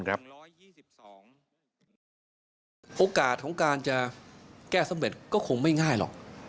โอกาสของการจะแก้สำเร็จก็คงไม่ง่ายหรอก